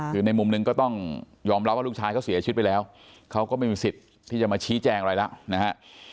คือในมุมหนึ่งก็ต้องยอมรับว่าลูกชายเขาเสียชีวิตไปแล้วเขาก็ไม่มีสิทธิ์ที่จะมาชี้แจงอะไรแล้วนะฮะ